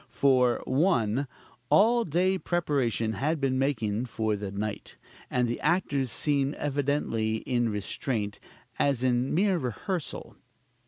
For, 1. All day preparation had been making for the night; and the actors seemed evidently in restraint, as in mere rehearsal: 2.